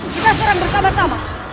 kita serang bersama sama